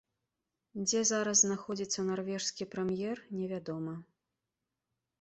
Дзе зараз знаходзіцца нарвежскі прэм'ер, невядома.